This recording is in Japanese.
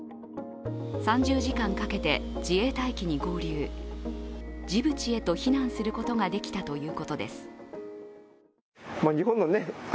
３０時間かけて自衛隊機に合流、ジブチへと避難することができたといいます。